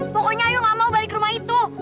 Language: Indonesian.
pokoknya ayo enggak mau balik ke rumah itu